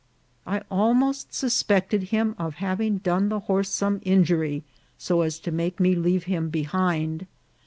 I almost suspected him of having done the horse some injury, so as to make me leave him behind.